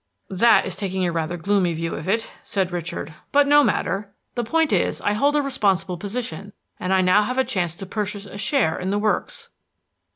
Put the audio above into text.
"That is taking a rather gloomy view of it," said Richard, "but no matter. The point is, I hold a responsible position, and I now have a chance to purchase a share in the works."